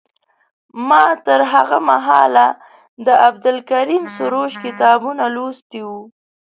ما تر هغه مهاله د عبدالکریم سروش کتابونه لوستي وو.